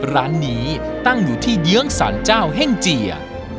ร้านนี้ตั้งอยู่ที่เดี๋ยวสัญเจ้าแห่งเจีย